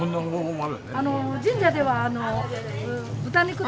神社では豚肉とか。